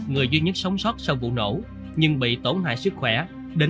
người duy nhất sống sót sau vụ nổ nhưng bị tổn hại sức khỏe đến chín mươi bốn